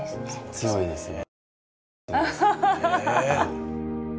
強いですね。